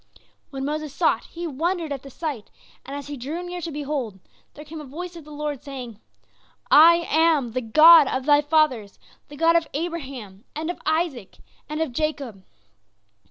When Moses saw it, he wondered at the sight; and as he drew near to behold, there came a voice of the Lord, saying: "'I am the God of thy fathers, the God of Abraham, and of Isaac, and of Jacob.